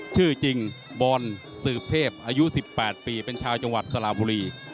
ชื่อจริงบอลสืบเทพอายุ๑๘ปีเป็นชาวจังหวัดสระบุรี